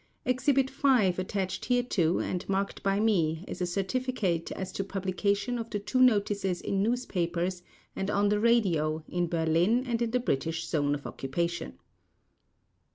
"Exhibit V" attached hereto and marked by me is a certificate as to publication of the two notices in newspapers and on the radio in Berlin and in the British Zone of occupation.